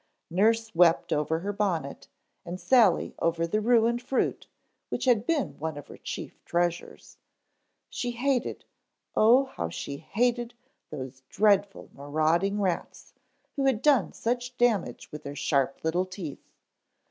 Nurse wept over her bonnet and Sally over the ruined fruit which had been one of her chief treasures. She hated, oh, how she hated those dreadful marauding rats, who had done such damage with their sharp little teeth.